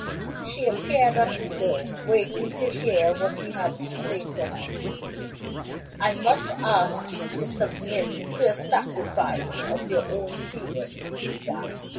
She appeared at the door, waiting to hear what he had to say to her. "I must ask you to submit to a sacrifice of your own feelings," he began.